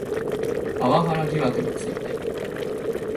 パワハラ疑惑について